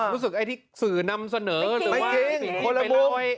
รู้สึกไอ้ที่สื่อนำเสนอหรือว่าเปลี่ยนไปร้อย